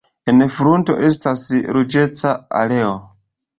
En frunto estas ruĝeca areo.